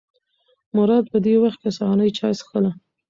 مراد په دې وخت کې سهارنۍ چای څښله.